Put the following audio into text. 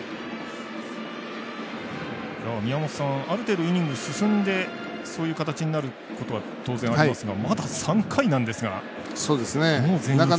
ある程度イニング進んでそういう形になることは当然、ありますがまだ３回なんですがもう全員ヒットですね。